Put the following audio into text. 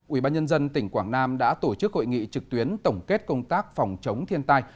ubnd tỉnh quảng nam đã tổ chức hội nghị trực tuyến tổng kết công tác phòng chống thiên tai